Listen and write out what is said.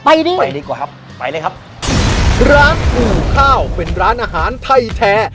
ไปดีกว่าครับไปเลยครับร้านปู่ข้าวเป็นร้านอาหารไทยแท้